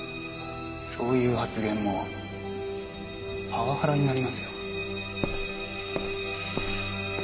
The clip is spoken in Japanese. そういう発言もパワハラになりますよ。